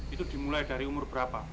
itu dimulai dari umur berapa